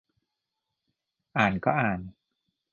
อ่านก็อ่าน